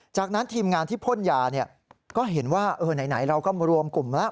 จากนั้นทีมงานที่พ่นยาก็เห็นว่าไหนเราก็มารวมกลุ่มแล้ว